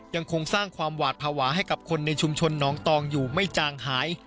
ยังคงสร้างความหวาดภาวะให้กับคนในชุมชนน้องตองอยู่ไม่จางหาย